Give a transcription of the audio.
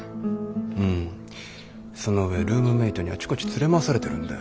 うんその上ルームメートにあちこち連れ回されてるんだよ。